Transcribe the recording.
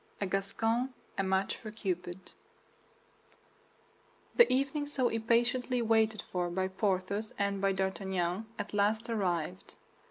A GASCON A MATCH FOR CUPID The evening so impatiently waited for by Porthos and by D'Artagnan at last arrived.